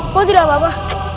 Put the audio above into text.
kok tidak apa apa